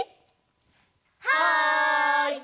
はい！